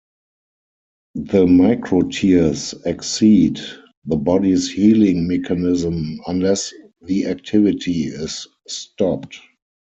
The microtears exceed the body's healing mechanism unless the activity is stopped.